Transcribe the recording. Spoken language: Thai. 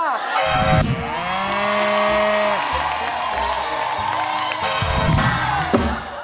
คิดถึง